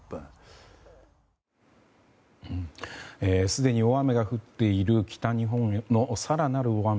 すでに大雨が降っている北日本の更なる大雨